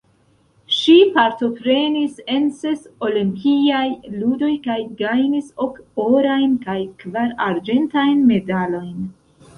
Ŝi partoprenis en ses Olimpiaj Ludoj kaj gajnis ok orajn kaj kvar arĝentajn medalojn.